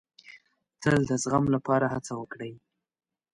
تل د زغم لپاره هڅه وکړئ.